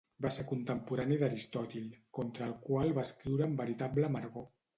Va ser contemporani d'Aristòtil, contra el qual va escriure amb veritable amargor.